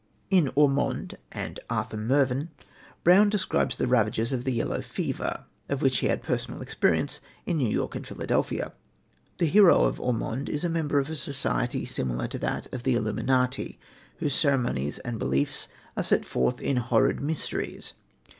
In Ormond and Arthur Mervyn, Brown describes the ravages of the yellow fever, of which he had personal experience in New York and Philadelphia. The hero of Ormond is a member of a society similar to that of the Illuminati, whose ceremonies and beliefs are set forth in Horrid Mysteries (1796).